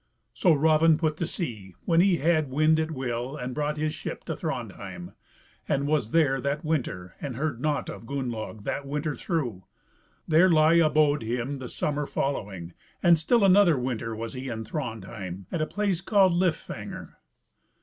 So Raven put to sea, when he had wind at will, and brought his ship to Thrandheim, and was there that winter and heard nought of Gunnlaug that winter through; there lie abode him the summer following: and still another winter was he in Thrandheim, at a place called Lifangr.